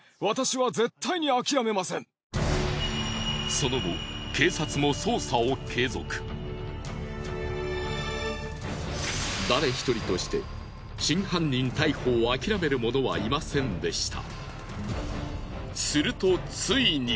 その後誰一人として真犯人逮捕を諦める者はいませんでした。